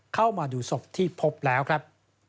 เข้ามาดูศพที่พบแล้วครับ